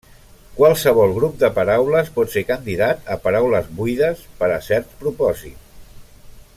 Qualsevol grup de paraules pot ser candidat a paraules buides per a cert propòsit.